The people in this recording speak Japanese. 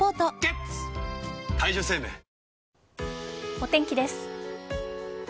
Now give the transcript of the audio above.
お天気です。